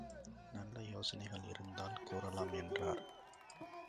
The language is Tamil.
நல்ல யோசனைகள் இருந்தால் கூறலாம் என்றார்.